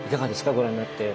ご覧になって。